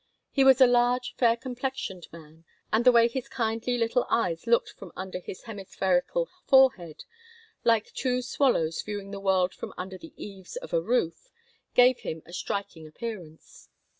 He was a large, fair complexioned man, and the way his kindly little eyes looked from under his hemispherical forehead, like two swallows viewing the world from under the eaves of a roof, gave him a striking appearance.